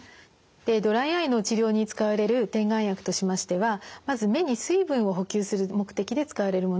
ドライアイの治療に使われる点眼薬としましてはまず目に水分を補給する目的で使われるものがあります。